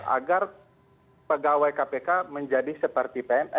agar pegawai kpk menjadi seperti pns